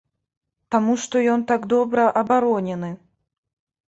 Таму што ён так добра абаронены?